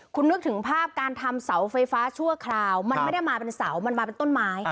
คุณนึกถึงภาพการทำเสาไฟฟ้าชั่วคราวมันไม่ได้มาเป็นเสามันมาเป็นต้นไม้